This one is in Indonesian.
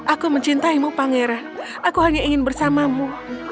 aku mencintaimu pangeran aku hanya ingin bersamamu